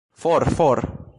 For, for!